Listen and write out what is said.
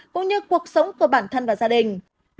cũng như cuộc sống của bản thân và gia đình